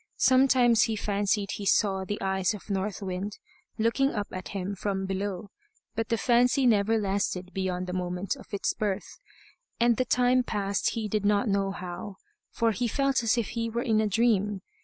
Sometimes he fancied he saw the eyes of North Wind looking up at him from below, but the fancy never lasted beyond the moment of its birth. And the time passed he did not know how, for he felt as if he were in a dream.